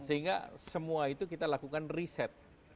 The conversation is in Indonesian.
sehingga semua itu kita lakukan riset